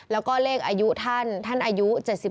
แล้วก็เลขอายุท่านท่านอายุ๗๒